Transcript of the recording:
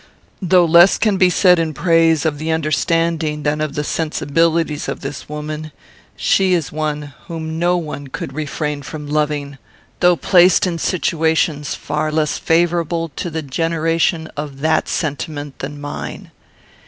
"Though less can be said in praise of the understanding than of the sensibilities of this woman, she is one whom no one could refrain from loving, though placed in situations far less favourable to the generation of that sentiment than mine.